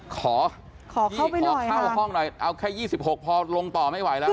ขอเข้าห้องหน่อยเอาแค่๒๖พอลงต่อไม่ไหวแล้ว